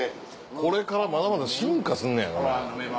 これからまだまだ進化すんねやろな。